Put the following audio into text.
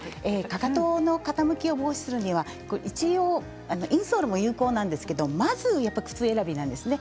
かかとの傾きを防止するにはインソールも有効なんですけどまず靴選びなんですね。